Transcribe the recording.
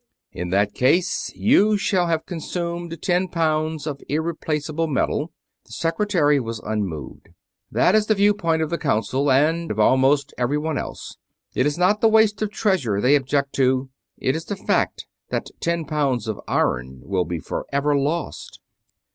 "In that case you shall have consumed ten pounds of irreplaceable metal." The Secretary was unmoved. "That is the viewpoint of the Council and of almost everyone else. It is not the waste of treasure they object to; it is the fact that ten pounds of iron will be forever lost."